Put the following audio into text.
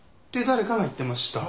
誰かが言ってました。